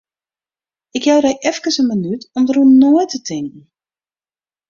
Ik jou dy efkes in minút om dêroer nei te tinken.